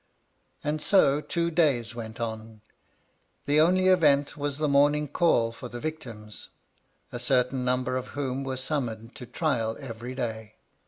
And so two days went on. The only event was the morning call for the victims, a certain number of whom were summoned to trial every day.